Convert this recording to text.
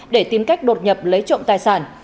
để tìm cách đột nhập lấy trộm tài sản